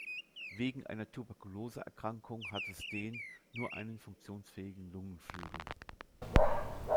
Wegen einer Tuberkulose-Erkrankung hatte Steen nur einen funktionsfähigen Lungenflügel.